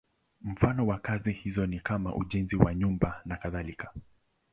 Mfano wa kazi hizo ni kama ujenzi wa nyumba nakadhalika.